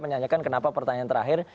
menanyakan kenapa pertanyaan terakhir